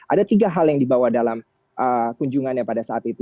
ada tiga hal yang dibawa dalam kunjungannya pada saat itu